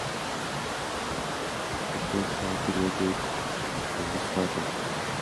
De Keyser created abstract paintings and works on paper.